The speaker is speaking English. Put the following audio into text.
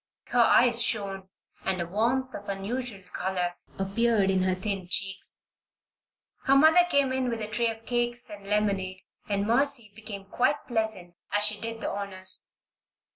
Her eyes shone and a warmth of unusual color appeared in her thin cheeks. Her mother came in with a tray of cakes and lemonade, and Mercy became quite pleasant as she did the honors.